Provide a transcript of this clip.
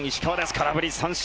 空振り三振。